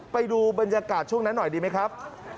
ไปดูบรรยากาศช่วงนั้นหน่อยดีไหมครับ